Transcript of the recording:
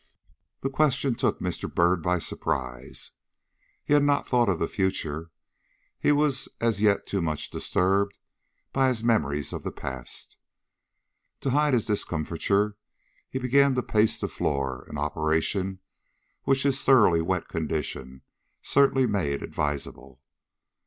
The question took Mr. Byrd by surprise. He had not thought of the future. He was as yet too much disturbed by his memories of the past. To hide his discomfiture, he began to pace the floor, an operation which his thoroughly wet condition certainly made advisable.